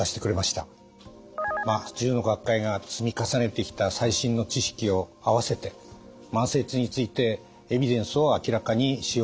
１０の学会が積み重ねてきた最新の知識を合わせて慢性痛についてエビデンスを明らかにしようとしました。